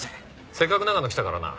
せっかく長野来たからな。